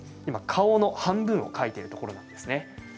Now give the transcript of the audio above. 今、顔の半分を描いているところなんですね。